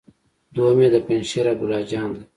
دوهم يې د پنجشېر عبدالله جان دی.